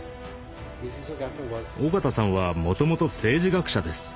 緒方さんはもともと政治学者です。